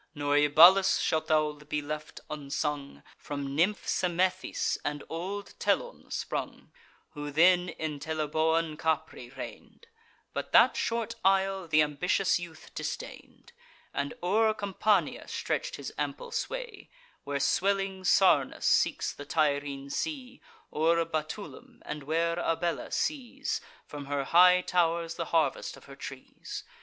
Nor Oebalus, shalt thou be left unsung, From nymph Semethis and old Telon sprung, Who then in Teleboan Capri reign'd; But that short isle th' ambitious youth disdain'd, And o'er Campania stretch'd his ample sway, Where swelling Sarnus seeks the Tyrrhene sea; O'er Batulum, and where Abella sees, From her high tow'rs, the harvest of her trees.